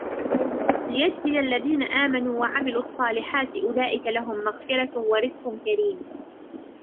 ليجزي الذين آمنوا وعملوا الصالحات أولئك لهم مغفرة ورزق كريم